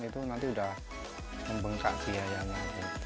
itu nanti sudah membengkak biayanya